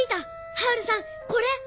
ハウルさんこれ！